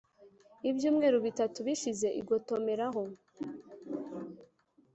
ibyumweru bitatu bishize igotomeraho